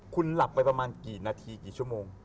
คุณหลับไปประมาณกี่นาทีกี่ชั่วโมง